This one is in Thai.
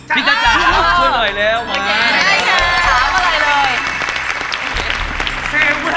พี่จ๊ะจ๋าช่วยหน่อยแล้วมา